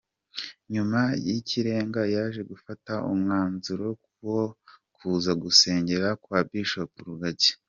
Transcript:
Nyuma kirenga yaje gufata umwanzuro wo kuza gusengera kwa Bishop Rugagi.